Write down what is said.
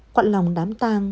quận lòng đám tang